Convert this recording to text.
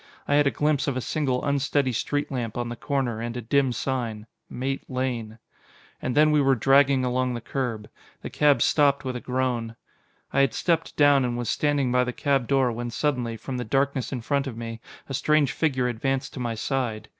I had a glimpse of a single unsteady street lamp on the corner, and a dim sign, "Mate Lane." And then we were dragging along the curb. The cab stopped with a groan. I had stepped down and was standing by the cab door when suddenly, from the darkness in front of me, a strange figure advanced to my side.